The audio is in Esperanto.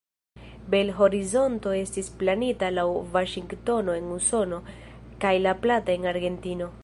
Bel-Horizonto estis planita laŭ Vaŝingtono en Usono kaj La Plata en Argentino.